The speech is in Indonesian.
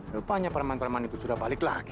rupanya para mantelman itu sudah balik lagi